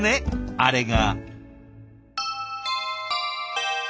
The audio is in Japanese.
あれが。